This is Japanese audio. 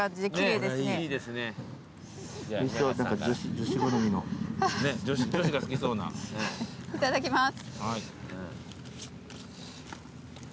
いただきます。